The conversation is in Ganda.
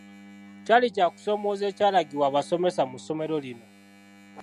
Kyali kya kusomooza ekyalagibwa abasomesa mu ssomero lino.